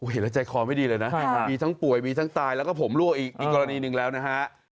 เห็นแล้วใจคอไม่ดีเลยนะมีทั้งป่วยมีทั้งตายแล้วก็ผมรั่วอีกกรณีหนึ่งแล้วนะฮะ